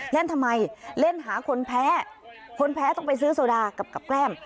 เล่นทำไมเล่นหาคนแพ้คนแพ้ต้องไปซื้อโซดากับแกล้ม